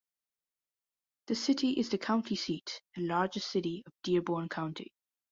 The city is the county seat and largest city of Dearborn County.